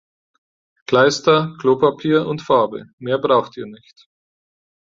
Kleister, Klopapier und Farbe – mehr braucht ihr nicht.